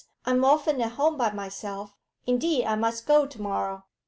'I'm often at home by myself. Indeed I must go to morrow.'